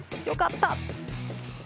よかった。